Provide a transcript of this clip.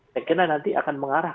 saya kira nanti akan mengarah